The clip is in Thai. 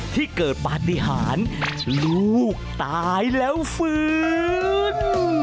ที่เกิดปฏิหารลูกตายแล้วฟื้น